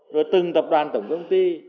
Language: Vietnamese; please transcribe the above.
rồi từng tập đoàn tổng công ty